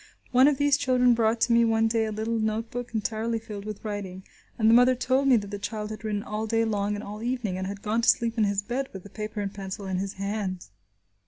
One of these children brought to me one day a little note book entirely filled with writing, and the mother told me that the child had written all day long and all evening, and had gone to sleep in his bed with the paper and pencil in his hand.